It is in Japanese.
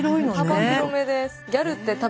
幅広めです。